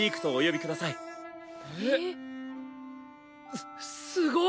すすごい！